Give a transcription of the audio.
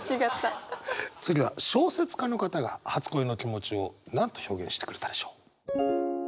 次は小説家の方が初恋の気持ちを何と表現してくれたでしょう？